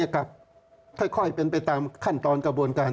ค่อยเป็นไปตามขั้นตอนกระบวนการ